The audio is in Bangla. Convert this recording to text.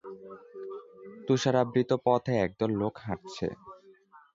তুষারাবৃত পথে একদল লোক হাঁটছে।